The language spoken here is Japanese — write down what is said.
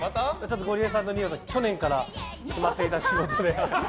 ゴリエさんと二葉さんは去年から決まってた仕事で。